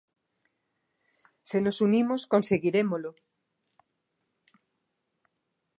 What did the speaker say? Se nos unimos conseguirémolo.